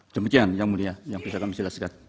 demikian yang mulia yang bisa kami jelaskan